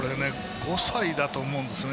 ５歳だと思うんですよね。